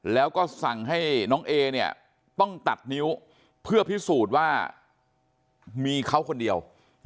แล้วก็สั่งให้น้องเอเนี่ยต้องตัดนิ้วเพื่อพิสูจน์ว่ามีเขาคนเดียว